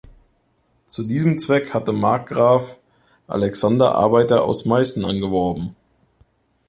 Zu diesem Zweck hatte Markgraf Alexander Arbeiter aus Meißen angeworben.